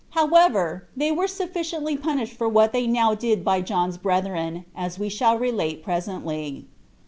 However, they were sufficiently punished for what they now did by John's brethren, as we shall relate presently.